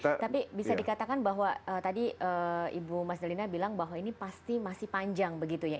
tapi bisa dikatakan bahwa tadi ibu mas dalina bilang bahwa ini pasti masih panjang begitu ya